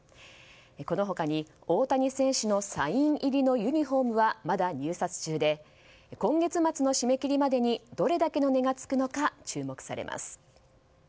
この他に大谷選手のサイン入りのユニホームはまだ入札中で今月末の締め切りまでにどれだけの値がつくのか注目されます。